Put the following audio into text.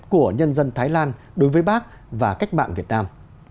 của nhân dân thái lan đối với bác và cách mạng việt nam